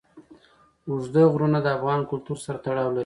اوږده غرونه د افغان کلتور سره تړاو لري.